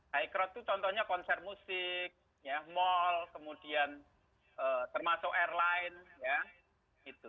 high crowd itu contohnya konser musik mall kemudian termasuk airline ya